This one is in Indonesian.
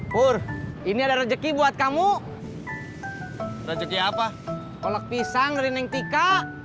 pur ini ada rezeki buat kamu rezeki apa oleh pisang rini tika